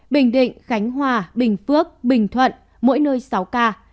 bình định khánh hòa bình phước bình thuận mỗi nơi sáu ca